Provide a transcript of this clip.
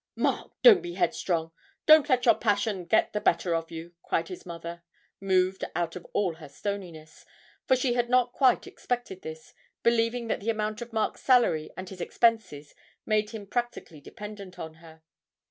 'Mark, don't be headstrong don't let your passion get the better of you!' cried his mother, moved out of all her stoniness for she had not quite expected this, believing that the amount of Mark's salary and his expenses made him practically dependent on her.